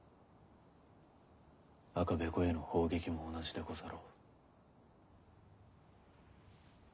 赤べこへの砲撃も同じでござろう。